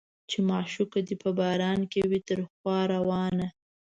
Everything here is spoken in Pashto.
چې معشوقه دې په باران کې وي تر خوا روانه